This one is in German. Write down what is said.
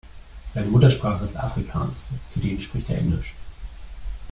Seine Muttersprache ist Afrikaans, zudem spricht er Englisch.